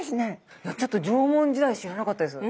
ちょっと縄文時代知らなかったです。